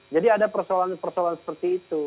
jadi ada persoalan persoalan seperti itu